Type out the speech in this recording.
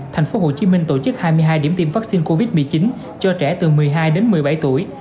thành phố hồ chí minh tổ chức hai mươi hai điểm tiêm vaccine covid một mươi chín cho trẻ từ một mươi hai đến một mươi bảy tuổi